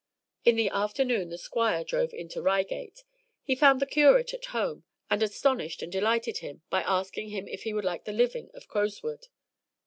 In the afternoon the Squire drove into Reigate. He found the curate at home, and astonished and delighted him by asking him if he would like the living of Crowswood.